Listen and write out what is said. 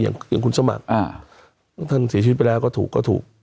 อย่างคุณสมัครท่านเสียชีวิตไปแล้วก็ถูกก็ถูก